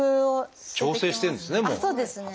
調整してるんですね